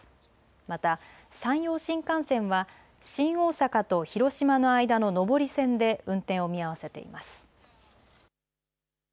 また山陽新幹線は新大阪と広島の間の上り線で運転を見合わせています。